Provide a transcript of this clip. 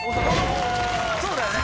そうだよね。